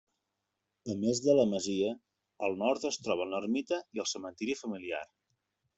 A més de la masia, al nord es troben l'ermita i el cementiri familiar.